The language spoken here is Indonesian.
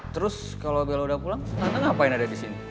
terus kalau bella udah pulang tantangan ngapain ada di sini